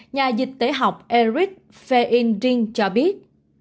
nhà dịch tế học eric feindring cho biết